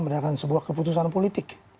menerangkan sebuah keputusan politik